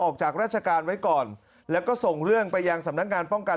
ออกจากราชการไว้ก่อนแล้วก็ส่งเรื่องไปยังสำนักงานป้องกัน